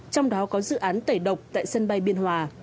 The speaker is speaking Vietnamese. trong đó có dự án tẩy độc tại sân bay biên hòa